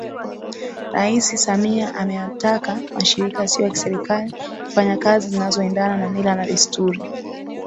Rais Samia ameyataka Mashirika Yasiyo ya Kiserikali kufanya kazi zinazoendana na mila na desturi